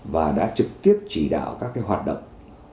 và đã trực tiếp chỉ đạo các hoạt động